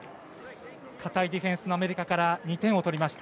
堅いディフェンスのアメリカから２点を取りました。